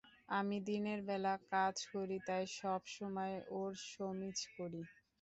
আমি দিনের বেলা কাজ করি তাই সবসময় ওর শো মিস করি।